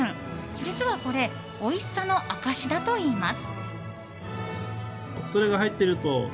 実はこれおいしさの証しだといいます。